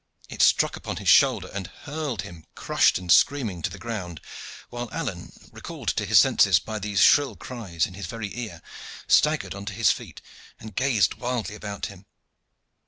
It struck upon his shoulder, and hurled him, crushed and screaming, to the ground, while Alleyne, recalled to his senses by these shrill cries in his very ear, staggered on to his feet, and gazed wildly about him.